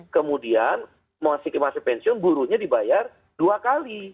kemudian mau asik emasi pensiun burunya dibayar dua kali